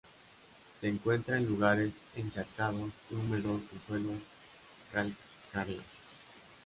Se encuentra en lugares encharcados y húmedos de suelos calcáreos.